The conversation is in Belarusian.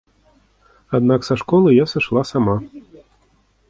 Аднак са школы я сышла сама.